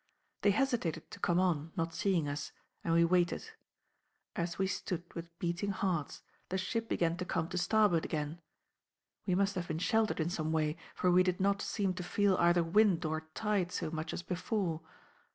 They hesitated to come on, not seeing us; and we waited. As we stood with beating hearts the ship began to come to starboard again. We must have been sheltered in some way, for we did not seem to feel either wind or tide so much as before.